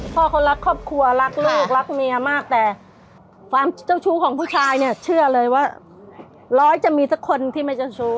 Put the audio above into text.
พ่อเขารักครอบครัวรักลูกรักเมียมากแต่ความเจ้าชู้ของผู้ชายเนี่ยเชื่อเลยว่าร้อยจะมีสักคนที่ไม่เจ้าชู้